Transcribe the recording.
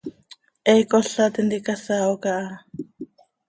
He cola tintica saao caha.